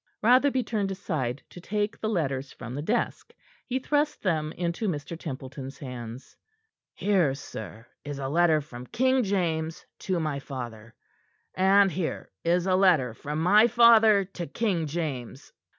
Rotherby turned aside to take the letters from the desk. He thrust them into Mr. Templeton's hands. "Here, sir, is a letter from King James to my father, and here is a letter from my father to King James.